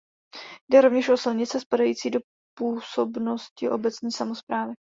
Jde rovněž o silnice spadající do působnosti obecní samosprávy.